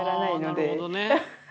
はあなるほどね。